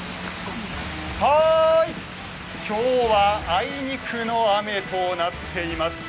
きょうはあいにくの雨となっています。